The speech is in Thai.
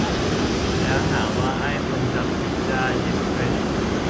แล้วหาว่าไอ้คนจับทริกได้'ดิสเครดิต'